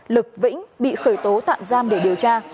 lực vĩnh bị khởi tố tạm giam để điều tra